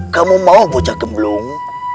kamu mau bocah gemblung